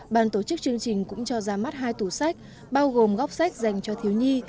bàn tổ chức chương trình cũng cho ra mắt hai tủ sách bao gồm góc sách dành cho thiếu nhi